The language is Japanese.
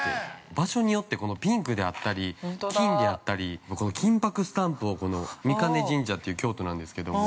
場所によって、ピンクであったり金であったり金箔スタンプを、御金神社という京都なんですけども。